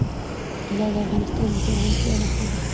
طلا د افغانستان د زرغونتیا نښه ده.